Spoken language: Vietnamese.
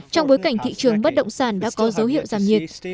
trong bối cảnh thị trường bất động sản đã có dấu hiệu giảm nhiệt